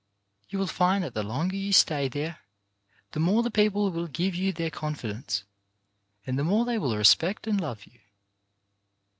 You will find that the longer you stay there the more the people will give you their confidence, and the more they will respect and love you.